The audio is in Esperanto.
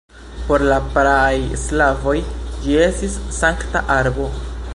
Por la praaj slavoj ĝi estis sankta arbo.